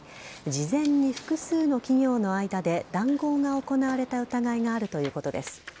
事前に複数の企業の間で談合が行われた疑いがあるということです。